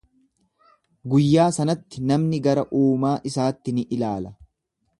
Guyyaa sanatti namni gara uumaa isaatti ni ilaala.